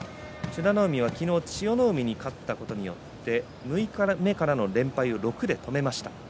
海は千代の海に勝ったことによって六日目からの連敗を６で止めました。